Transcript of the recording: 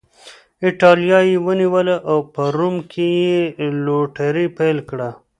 اېټالیا یې ونیوله او په روم کې یې لوټري پیل کړه